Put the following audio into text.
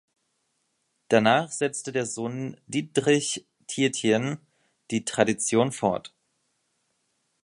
Danach setzte der Sohn Diedrich Tietjen die Tradition fort.